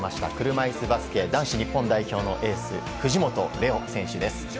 車いすバスケ男子日本代表のエース藤本怜央選手です。